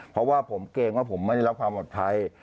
เพราะว่าผมเกรงว่าผมไม่ได้รับความปลอดภัย